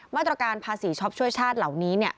มาตรการภาษีช็อปช่วยชาติเหล่านี้